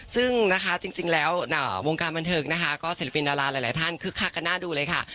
ซึ่งนะคะจริงแล้ววงการบันเทิงนะคะก็ศิลปินดาราหลายท่านคึกคักกันหน้าดูเลยค่ะ